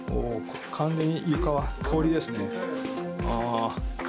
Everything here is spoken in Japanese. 完全に床は氷ですね。